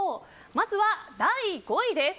まずは第５位です。